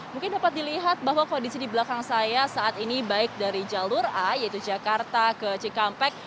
mungkin dapat dilihat bahwa kondisi di belakang saya saat ini baik dari jalur a yaitu jakarta ke cikampek